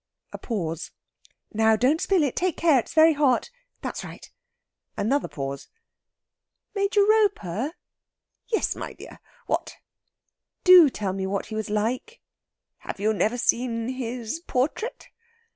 A pause. "Now, don't spill it. Take care, it's very hot. That's right." Another pause. "Major Roper...." "Yes, my dear. What?" "Do tell me what he was like." "Have you never seen his portrait?"